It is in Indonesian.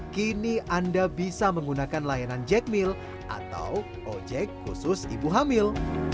kini anda bisa menggunakan layanan jekmil atau ojek khusus ibu hamil